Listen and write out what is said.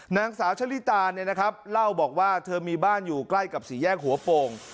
นางสาวชะลิตาเนี่ยนะครับเล่าบอกว่าเธอมีบ้านอยู่ใกล้กับสี่แยกหัวโป่ง